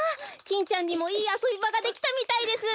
キンちゃんにもいいあそびばができたみたいです。